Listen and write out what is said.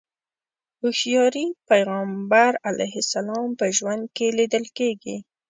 هوښياري پيغمبر علیه السلام په ژوند کې ليدل کېږي.